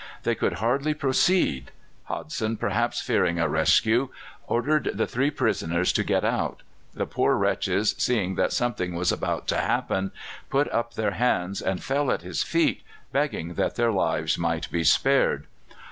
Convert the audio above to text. They could hardly proceed. Hodson, perhaps fearing a rescue, ordered the three prisoners to get out. The poor wretches, seeing that something was about to happen, put up their hands and fell at his feet, begging that their lives might be spared.